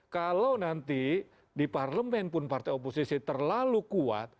kalau nanti di parlemen pun partai oposisi terlalu kuat